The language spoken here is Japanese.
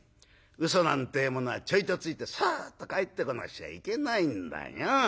嘘なんてえものはちょいとついてさっと帰ってこなくちゃいけないんだよ。